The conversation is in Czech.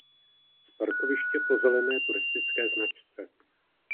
Z parkoviště po zelené turistické značce.